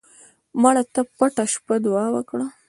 مړه ته د پټه شپه دعا وکړه